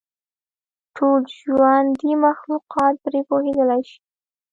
ټول ژوندي مخلوقات پرې پوهېدلای شي.